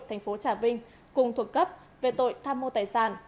thành phố trà vinh cùng thuộc cấp về tội tham mô tài sản